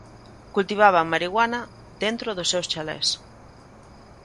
Cultivaban marihuana dentro dos seus chalés.